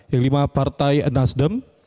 yang lima partai nasdem